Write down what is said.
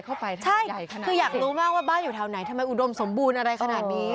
คืออยากรู้มากว่าบ้านอยู่ทางไหนทำไมอุดมสมบูรณ์อะไรขนาดนี้